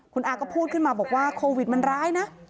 คุณอาก็พูดขึ้นมาบอกว่าโควิดมันร้ายนะ